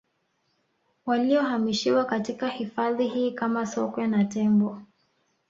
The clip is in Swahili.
Waliohamishiwa katika hifadhi hii kama Sokwe na Tembo